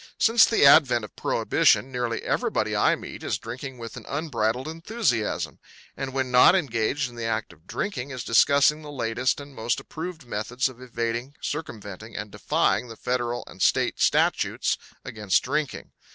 Since the advent of Prohibition nearly everybody I meet is drinking with an unbridled enthusiasm; and when not engaged in the act of drinking is discussing the latest and most approved methods of evading, circumventing and defying the Federal and State statutes against drinking.